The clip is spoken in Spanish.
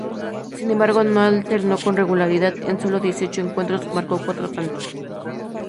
Sin embargo, no alternó con regularidad: en solo dieciocho encuentros, marcó cuatro tantos.